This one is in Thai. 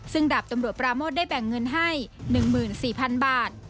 ซึ่งดาบตำรวจปราโมทได้แบ่งเงินให้หนึ่งหมื่นสี่พันบาท